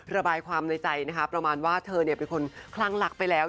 ระบายความในใจนะคะประมาณว่าเธอเป็นคนคลั่งรักไปแล้ว